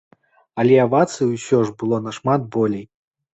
Але авацый усё ж было нашмат болей.